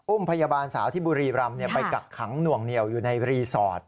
พยาบาลสาวที่บุรีรำไปกักขังหน่วงเหนียวอยู่ในรีสอร์ท